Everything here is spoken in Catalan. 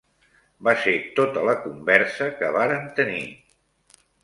Va ser tota la conversa que varen tenir.